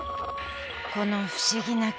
この不思議な国。